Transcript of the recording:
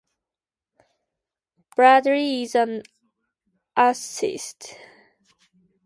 Bradley is an atheist.